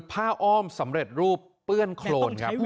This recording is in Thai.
ผ้าอ้อมสำเร็จรูปเปื้อนโคลน